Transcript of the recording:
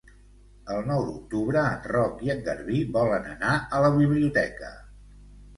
El nou d'octubre en Roc i en Garbí volen anar a la biblioteca.